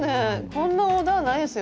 こんなオーダーないですよ